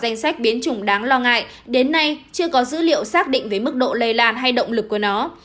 danh sách biến chủng đáng lo ngại đến nay chưa có dữ liệu xác định về mức độ lây lan hay động lực của nó